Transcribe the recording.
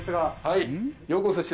はい。